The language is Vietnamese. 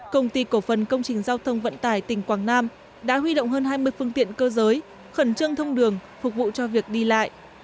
công ty cổ phần công trình giao thông vận tải tỉnh quảng nam đã huy động hơn hai mươi phương tiện cơ giới khẩn trương thông đường phục vụ cho việc đi lại